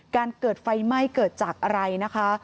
เกิดไฟไหม้เกิดจากอะไรนะคะ